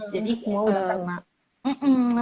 jadi semua udah kena